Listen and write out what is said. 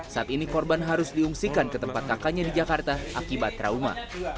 saat ini korban harus diungsikan ke tempat kakaknya di jakarta akibat trauma